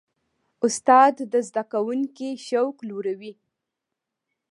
استاد د زده کوونکي شوق لوړوي.